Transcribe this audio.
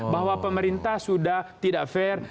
bahwa pemerintah sudah tidak fair